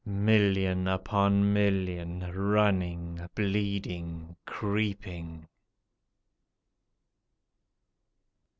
Million upon million, running, bleeding, creeping.